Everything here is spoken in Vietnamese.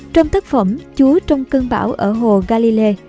trong tác phẩm chúa trong cơn bão ở hồ galilei